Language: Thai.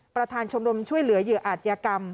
ประธานชมรมช่วยเหลือเหยื่ออาจยากรรม